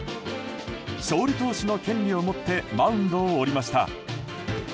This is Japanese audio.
勝利投手の権利を持ってマウンドを降りました。